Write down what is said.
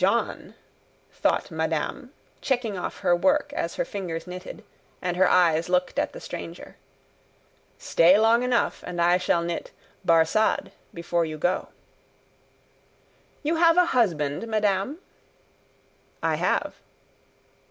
"John," thought madame, checking off her work as her fingers knitted, and her eyes looked at the stranger. "Stay long enough, and I shall knit 'BARSAD' before you go." "You have a husband, madame?" "I have."